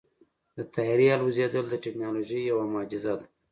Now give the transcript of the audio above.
د طیارې الوزېدل د تیکنالوژۍ یوه معجزه ده.